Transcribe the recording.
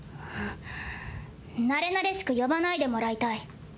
なれなれしく呼ばないでもらいたい。